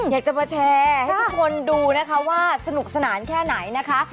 อยากจะมาแชร์ให้ทุกคนดูนะคะว่าสนุกสนานแค่ไหนนะคะ